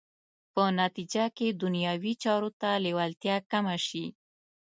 په نتیجه کې دنیوي چارو ته لېوالتیا کمه شي.